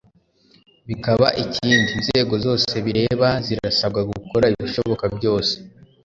bikaba ikindi. Inzego zose bireba zirasabwa gukora ibishoboka byose